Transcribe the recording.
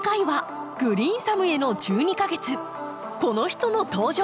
この人の登場です！